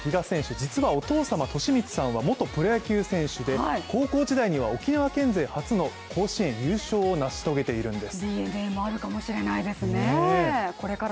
実はお父様・寿光さんは元プロ野球選手で高校時代には沖縄県勢初の甲子園優勝を成し遂げているんです。